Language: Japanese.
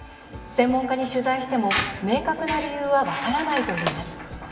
専門家に取材しても明確な理由は分からないといいます。